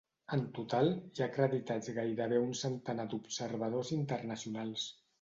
En total, hi ha acreditats gairebé un centenar d’observadors internacionals.